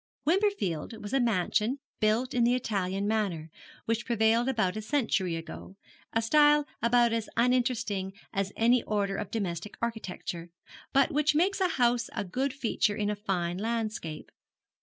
Wimperfield was a mansion built in the Italian manner which prevailed about a century ago, a style about as uninteresting as any order of domestic architecture, but which makes a house a good feature in a fine landscape.